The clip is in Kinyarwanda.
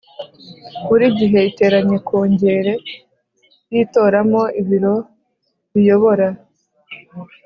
Buri gihe iteranye Kongere yitoramo ibiro biyobora